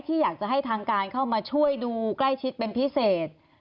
อยากจะให้ทางการเข้ามาช่วยดูใกล้ชิดเป็นพิเศษ